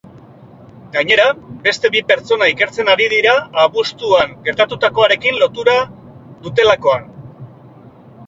Gainera, beste bi pertsona ikertzen ari dira abuztuan gertatutakoarekin lotura dutelakoan.